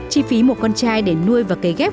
chi phí một con chai để nuôi và cấy ghép